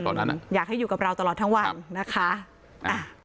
ตอนนั้นอ่ะอยากให้อยู่กับเราตลอดทั้งวันนะคะอ่ะ